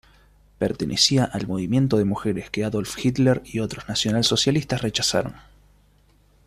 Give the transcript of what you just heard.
Pertenecía al movimiento de mujeres que Adolf Hitler y otros nacionalsocialistas rechazaron.